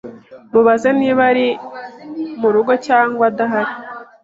Mubaze niba ari murugo cyangwa adahari.